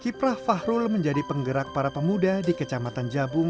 kiprah fahrul menjadi penggerak para pemuda di kecamatan jabung